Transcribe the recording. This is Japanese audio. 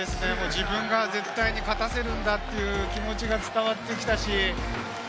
自分が助けるんだという気持ちが伝わってきたし。